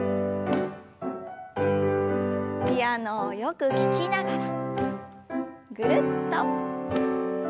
ピアノをよく聞きながらぐるっと。